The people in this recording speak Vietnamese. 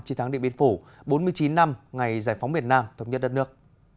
chi thắng điện biên phổ bốn mươi chín năm ngày giải phóng việt nam thống nhất đất nước